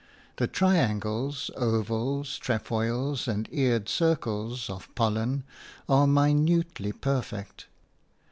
The triangles, ovals, trefoils and eared circles of pollen are minutely perfect.